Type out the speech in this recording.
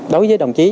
đối với đồng chí